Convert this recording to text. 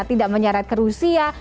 tidak menyeret ke rusia